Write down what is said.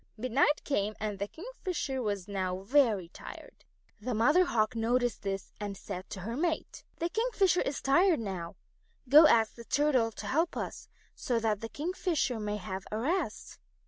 Midnight came and the Kingfisher was now very tired. The Mother Hawk noticed this and said to her mate: "The Kingfisher is tired out. Go and ask the Turtle to help us so that the Kingfisher may have a rest."